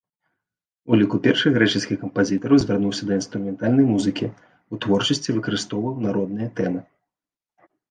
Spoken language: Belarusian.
У ліку першых грэчаскіх кампазітараў звярнуўся да інструментальнай музыкі, у творчасці выкарыстоўваў народныя тэмы.